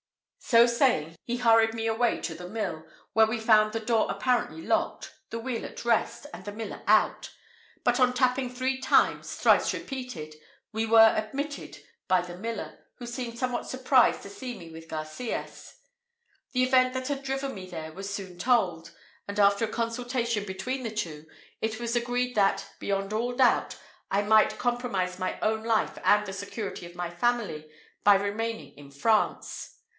So saying, he hurried me away to the mill, where we found the door apparently locked, the wheel at rest, and the miller out; but on tapping three times, thrice repeated, we were admitted by the miller, who seemed somewhat surprised to see me with Garcias. The event that had driven me there was soon told; and after a consultation between the two, it was agreed that, beyond all doubt, I might compromise my own life, and the security of my family, by remaining in France.